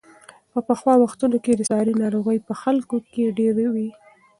په پخوا وختونو کې ساري ناروغۍ په خلکو کې ډېرې وې.